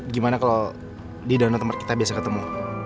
gimana kalau di danau tempat kita biasa ketemu